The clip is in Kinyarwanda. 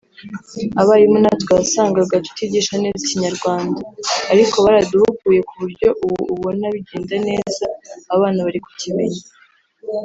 Abarimu natwe wasangaga tutigisha neza ikinyarwanda ariko baraduhuguye ku buryo ubu ubona bigenda neza abana bari kukimenya